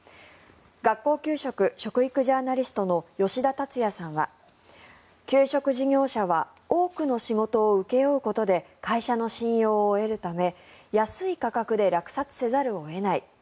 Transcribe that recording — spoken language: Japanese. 学校給食・食育ジャーナリストの吉田達也さんは給食事業者は多くの仕事を請け負うことで会社の信用を得るため安い価格で落札せざるを得ない。